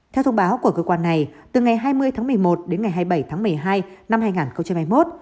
theo thông báo của cơ quan này từ ngày hai mươi tháng một mươi một đến ngày hai mươi bảy tháng một mươi hai năm hai nghìn hai mươi một